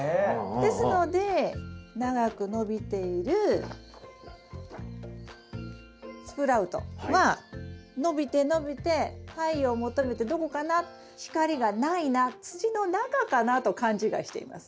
ですので長く伸びているスプラウトは伸びて伸びて太陽を求めてどこかな光がないな土の中かなと勘違いしています。